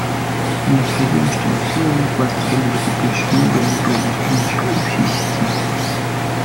Необходимо чтобы все узлы кластера были подключены друг к другу с помощью общей сети